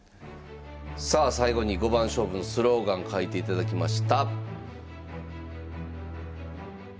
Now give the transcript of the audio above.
さあ最後に五番勝負のスローガン書いていただきました。